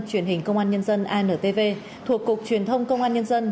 truyền hình công an nhân dân intv thuộc cục truyền thông công an nhân dân